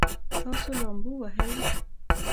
تاسو لامبو وهئ؟